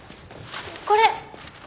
これ！